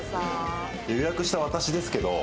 予約した私ですけど。